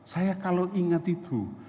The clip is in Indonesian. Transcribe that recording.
saya kalau ingat itu